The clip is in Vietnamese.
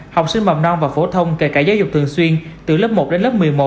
học sinh mầm non và phổ thông kể cả giáo dục thường xuyên từ lớp một đến lớp một mươi một